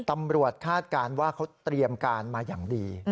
คาดการณ์ว่าเขาเตรียมการมาอย่างดี